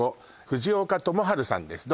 藤岡智春さんです